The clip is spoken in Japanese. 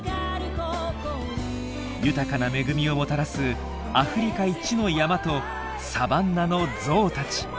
豊かな恵みをもたらすアフリカ一の山とサバンナのゾウたち。